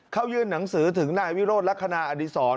เขายื่นหนังสือถึงนายวิโรธลักษณะอดีศร